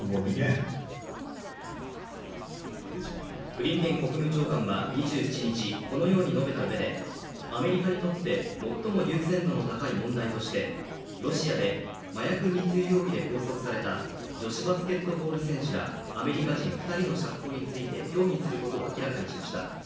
ブリンケン国務長官は２７日このように述べたうえでアメリカにとって最も優先度の高い問題としてロシアで麻薬密輸容疑で拘束された女子バスケットボール選手らアメリカ人２人の釈放について協議することを明らかにしました。